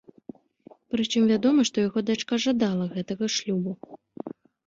Прычым вядома, што яго дачка жадала гэтага шлюбу.